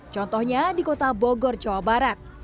contohnya di kota bogor jawa barat